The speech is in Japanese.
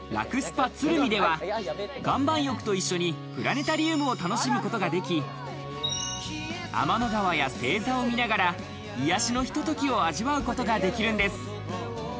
鶴見では岩盤浴と一緒にプラネタリウムを楽しむことができ、天の川や星座を見ながら、癒やしのひとときを味わうことができるんです。